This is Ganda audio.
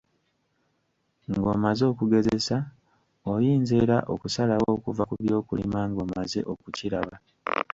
Ng’omaze okugezesa, oyinza era okusalawo okuva ku by’okulima ng’omaze okukiraba.